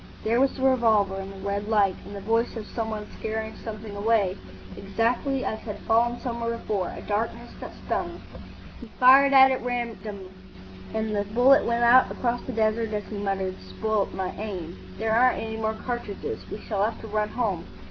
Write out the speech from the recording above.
There was the revolver and the red light.... and the voice of some one scaring something away, exactly as had fallen somewhere before,—a darkness that stung. He fired at random, and the bullet went out across the desert as he muttered, "Spoilt my aim. There aren't any more cartridges. We shall have to run home."